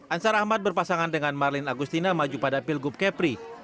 ansar ahmad berpasangan dengan marlin agustina maju pada pilgub kepri